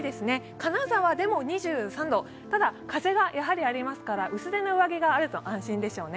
金沢でも２３度、ただ風がやはりありますから薄手の上着があると安心でしょうね。